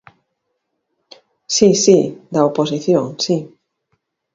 Si, si, da oposición, si.